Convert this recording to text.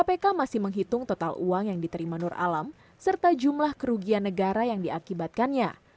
kpk masih menghitung total uang yang diterima nur alam serta jumlah kerugian negara yang diakibatkannya